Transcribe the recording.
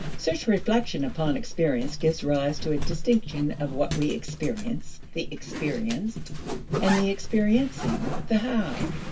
Such reflection upon experience gives rise to a distinction of what we experience (the experienced) and the experiencing the how.